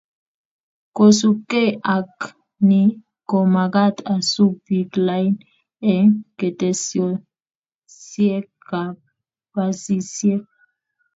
Kosubkei ak ni ko magat kosub bik lain eng ketesyosiekab basisiek